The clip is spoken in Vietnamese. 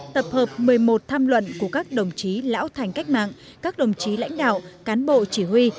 tập hợp một mươi một tham luận của các đồng chí lão thành cách mạng các đồng chí lãnh đạo cán bộ chỉ huy